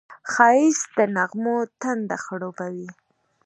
ښایست د نغمو تنده خړوبوي